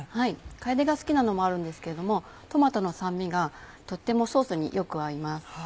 楓が好きなのもあるんですけれどもトマトの酸味がとってもソースによく合います。